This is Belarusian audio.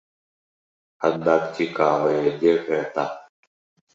Аднак цікавае не гэта.